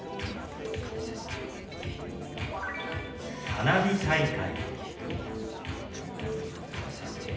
「花火大会」。